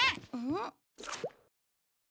ん？